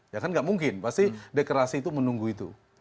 ya kan nggak mungkin pasti deklarasi itu menunggu itu